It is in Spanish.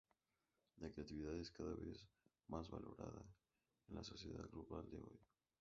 La creatividad es cada vez más valorada en la sociedad global de hoy.